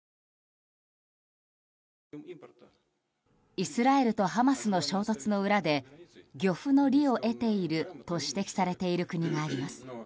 イスラエルとハマスの衝突の裏で漁夫の利を得ていると指摘されている国があります。